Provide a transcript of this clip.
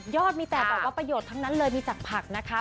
มีแต่แบบว่าประโยชน์ทั้งนั้นเลยมีจากผักนะคะ